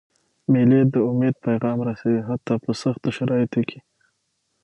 مېلې د امید پیغام رسوي، حتی په سختو شرایطو کي.